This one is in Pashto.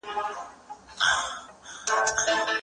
که خاوند یوازې نیت وکړي، طلاق څه کیږي؟